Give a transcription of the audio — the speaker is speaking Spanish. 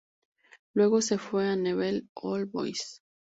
Luego se fue a Newell's Old Boys.